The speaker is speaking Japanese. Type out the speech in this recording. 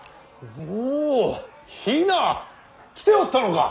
おお比奈！来ておったのか。